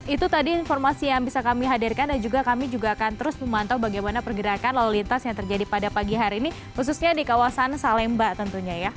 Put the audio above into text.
itu tadi informasi yang bisa kami hadirkan dan juga kami juga akan terus memantau bagaimana pergerakan lalu lintas yang terjadi pada pagi hari ini khususnya di kawasan salemba tentunya ya